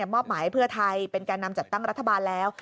มอบหมายให้เพื่อไทยเป็นแก่นำจัดตั้งรัฐบาลแล้ว